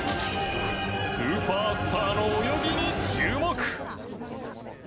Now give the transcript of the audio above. スーパースターの泳ぎに注目！